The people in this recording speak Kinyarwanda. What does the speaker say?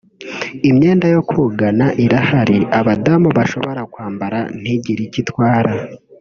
imyenda yo kogana irahari abadamu bashobora kwambara ntigire icyo itwara